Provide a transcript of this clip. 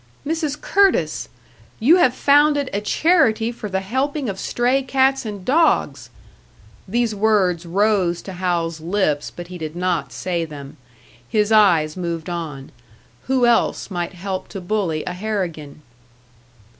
"Mrs. Curtis! You have founded a charity for the helping of stray cats and dogs!" These words rose to Hal's lips; but he did not say them. His eyes moved on. Who else might help to bully a Harrigan?